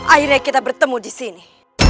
akhirnya kita bertemu disini